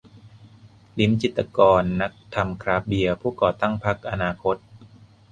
ลิ้มจิตรกร นักทำคราฟต์เบียร์ ผู้ก่อตั้งพรรคอนาคต